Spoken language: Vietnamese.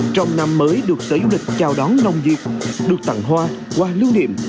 trong năm mới được sở du lịch chào đón nồng nhiệt được tặng hoa qua lưu niệm